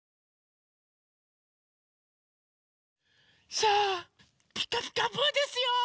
さあ「ピカピカブ！」ですよ！